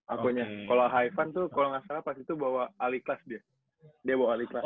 akunya kalo haifan tuh kalo gak salah pas itu bawa aliklas dia dia bawa aliklas